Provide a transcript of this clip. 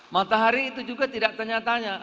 matahari itu juga tidak tanya tanya